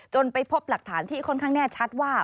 ไปพบหลักฐานที่ค่อนข้างแน่ชัดว่า